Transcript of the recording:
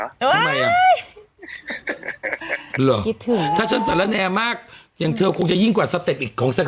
เออไงอะถ้าฉันสารแนมากยังเธอคงจะยิ่งกว่าสเต็ปของสเต็ป